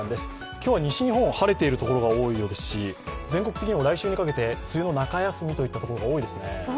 今日は西日本、晴れているところが多いようですし全国的にも来週にかけて梅雨の中休みといったところが多いですね。